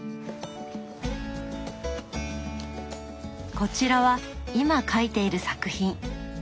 こちらは今描いている作品。